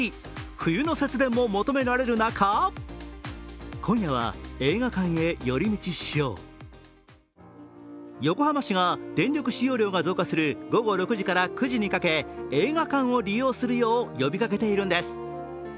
冬の節電も求められる中横浜市が電力使用量が増加する午後６時から９時にかけ映画館を利用するよう呼びかけているんです。